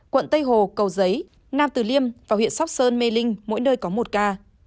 quận tây hồ cầu giấy nam tử liêm và huyện sóc sơn mê linh mỗi nơi có một ca